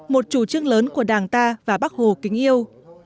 một chủ trương lớn của đảng ta và bác hồ kính yêu